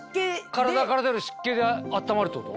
体から出る湿気で暖まるってこと？